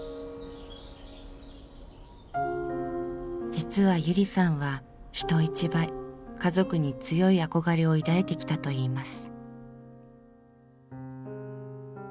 実はゆりさんは人一倍家族に強い憧れを抱いてきたといいます。